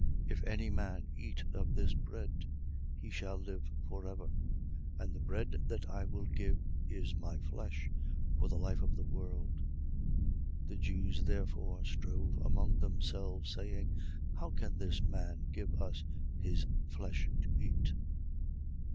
6:52. If any man eat of this bread, he shall live for ever: and the bread that I will give is my flesh, for the life of the world. 6:53. The Jews therefore strove among themselves, saying: How can this man give us his flesh to eat?